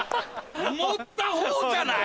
持った方じゃない？